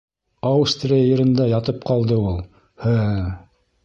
Аустрия ерендә ятып ҡалды ул, һы-ы-ы...